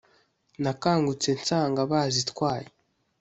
nakangutse nsanga bazitwaye